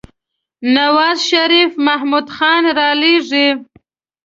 نوازشريف محمود خان رالېږي.